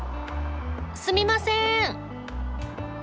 すみません！